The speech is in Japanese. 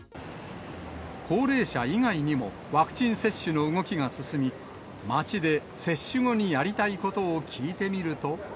高齢者以外にも、ワクチン接種の動きが進み、街で、接種後にやりたいことを聞いてみると。